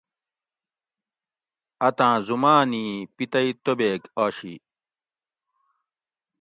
اتاں زومانی پتئی توبیک آشی